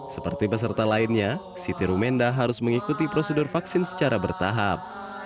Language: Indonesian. seperti peserta lainnya siti rumenda harus mengikuti prosedur vaksin secara bertahap